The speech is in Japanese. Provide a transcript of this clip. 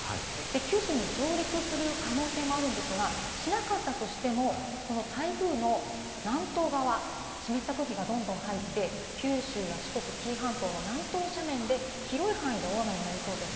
九州に上陸する可能性もあるんですが、しなかったとしても台風の南東側、湿った空気がどんどん入るので、九州や四国、紀伊半島の南東方面で広い範囲で大雨になりそうです。